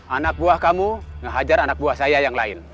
anak buah kamu ngehajar anak buah saya yang lain